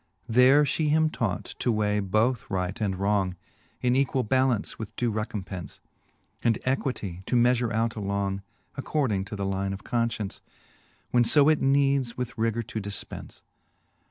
VII. There fhe him taught to weigh both right and wrong. In equall ballance with due recompence, And equitie to meafure out along, According to the line of confcience, When fb it needs with rigour to difpence.